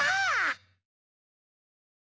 あ。